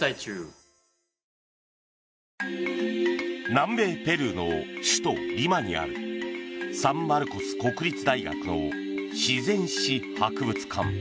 南米ペルーの首都リマにあるサンマルコス国立大学の自然史博物館。